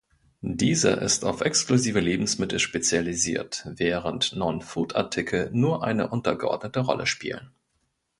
Dieser ist auf exklusive Lebensmittel spezialisiert, während Non-Food-Artikel nur eine untergeordnete Rolle spielen.